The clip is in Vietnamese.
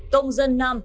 công dân nam